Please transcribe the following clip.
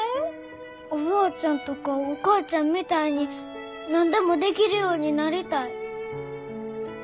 おばあちゃんとかお母ちゃんみたいに何でもできるようになりたい。